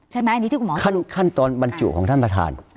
ใช่ไหมอันนี้ที่คุณหมอขั้นตอนบรรจุของท่านประธาน